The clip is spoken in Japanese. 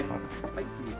はい次。